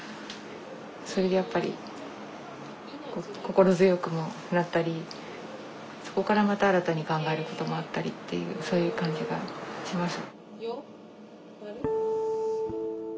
それでやっぱり心強くもなったりそこからまた新たに考えることもあったりっていうそういう感じがします。